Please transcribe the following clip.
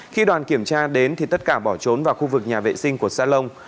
khi đoàn kiểm tra đến thì tất cả bỏ trốn vào khu vực nhà vệ sinh của salon